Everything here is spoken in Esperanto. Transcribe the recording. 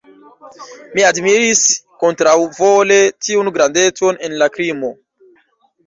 Mi admiris kontraŭvole tiun grandecon en la krimo.